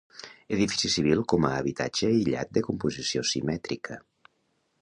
Edifici civil com a habitatge aïllat de composició simètrica.